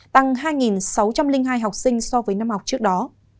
tăng hai sáu trăm linh hai học sinh so với năm học trước đó